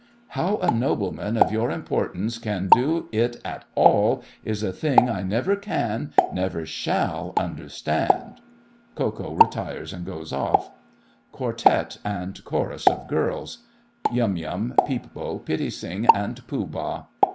How a nobleman of your importance can do it at all is a thing I never can, never shall understand. [Ko Ko retires and goes off. QUARTET AND CHORUS OF GIRLS. YUM YUM, PEEP BO, PITTI SING, and POOH BAH.